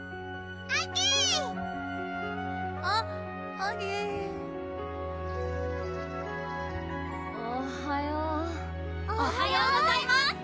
アアゲおはようおはようございます